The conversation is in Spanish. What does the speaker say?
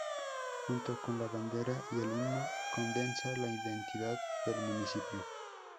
Junto con la bandera y el himno, condensa la identidad del municipio.